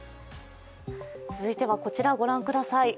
続いてはこちら御覧ください。